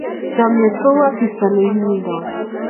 Chomnyet kou asista ne lildoi.